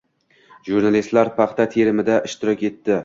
Jurnalistlar paxta terimida ishtirok etdi